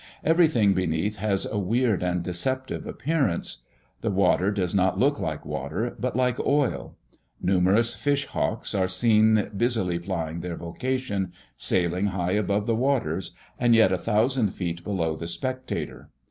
Everything beneath has a weird and deceptive appearance. The water does not look like water, but like oil. Numerous fishhawks are seen busily plying their vocation, sailing high above the waters, and yet a thousand feet below the spectator.